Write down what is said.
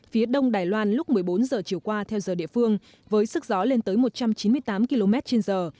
phía đông đài loan lúc một mươi bốn giờ chiều qua theo giờ địa phương với sức gió lên tới một trăm chín mươi tám km trên giờ